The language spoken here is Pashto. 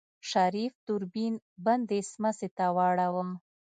شريف دوربين بندې سمڅې ته واړوه.